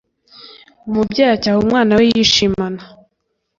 umubyeyi acyaha umwana we yishimana